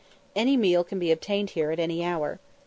Any meal can be obtained here at any hour.